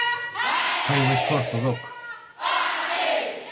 Fai un esforzo, Doc.